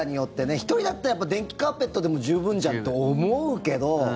１人だったら電気カーペットでも十分じゃんと思うけど。